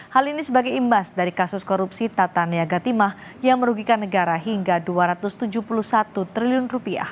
hal ini sebagai imbas dari kasus korupsi tata niaga timah yang merugikan negara hingga rp dua ratus tujuh puluh satu triliun